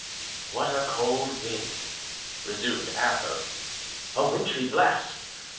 "What a cold wind!" resumed Athos; "a wintry blast.